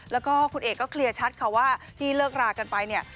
แล้วก็คุณเอกก็เคลียร์ชัดค่ะว่าที่เลิกรากันไปเนี่ย